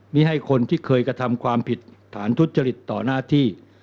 ให้คนที่เคยกระทำความผิดฐานทุจริตต่อหน้าที่